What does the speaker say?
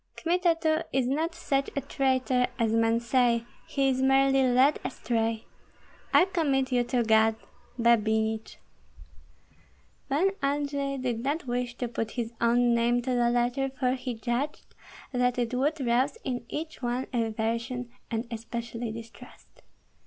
Kmita too is not such a traitor as men say; he is merely led astray. I commit you to God. Babinich. Pan Andrei did not wish to put his own name to the letter, for he judged that it would rouse in each one aversion and especially distrust.